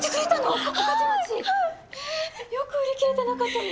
よく売り切れてなかったね。